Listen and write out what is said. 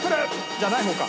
じゃない方か。